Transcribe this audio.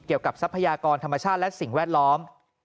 ทรัพยากรธรรมชาติและสิ่งแวดล้อม